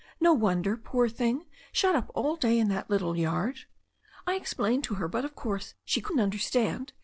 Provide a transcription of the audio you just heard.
No wonder, poor thing, shut up all day in that little yard. I explained to her, but, of course, she couldn't understand.